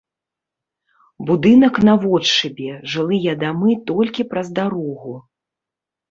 Будынак наводшыбе, жылыя дамы толькі праз дарогу.